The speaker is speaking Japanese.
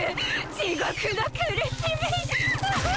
地獄の苦しみ！